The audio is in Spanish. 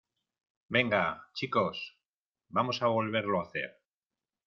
venga, chicos , vamos a volverlo a hacer